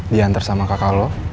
dianter sama kakak lo